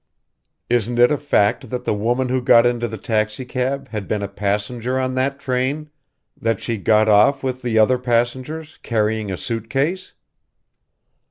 "Isn't it a fact that the woman who got into the taxicab had been a passenger on that train: that she got off with the other passengers, carrying a suit case?"